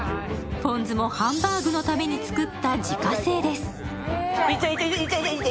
ポン酢もハンバーグのために作った自家製です。